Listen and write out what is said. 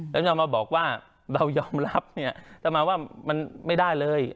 แล้วมันมาบอกว่าเรายอมรับเนี่ยแต่หมายความว่ามันไม่ได้เลย